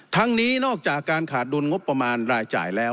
นี้นอกจากการขาดดุลงบประมาณรายจ่ายแล้ว